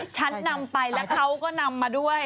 ฉันนำไปแล้วเขาก็นำมาด้วย